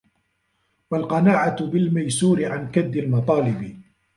وَالْقَنَاعَةُ بِالْمَيْسُورِ عَنْ كَدِّ الْمَطَالِبِ